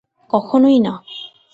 কখনই না!